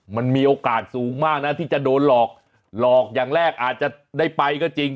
มันมีโอกาสสูงมากนะที่จะโดนหลอกหลอกอย่างแรกอาจจะได้ไปก็จริง